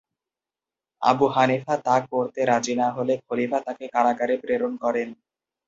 Abu Hanifa তা করতে রাজি না হলে খলিফা তাকে কারাগারে প্রেরণ করেন।